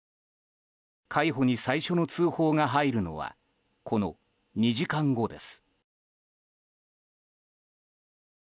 海保に最初の通報が入るのはこの２時間後です。